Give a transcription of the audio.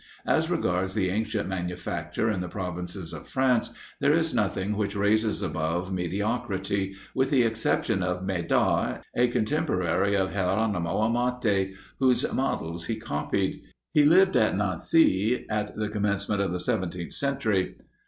As regards the ancient manufacture in the provinces of France, there is nothing which rises above mediocrity, with the exception of Médard, a contemporary of Geronimo Amati, whose models he copied. He lived at Nancy at the commencement of the seventeenth century.